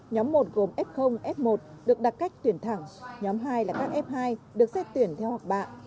nhóm một gồm f f một được đặt cách tuyển thẳng nhóm hai là các f hai được xét tuyển theo học bạ